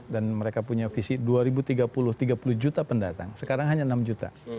dan mereka punya visi dua ribu tiga puluh tiga puluh juta pendatang sekarang hanya enam juta